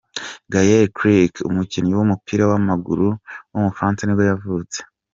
Gaël Clichy, umukinnyi w’umupira w’amaguru w’mufaransa nibwo yavutse.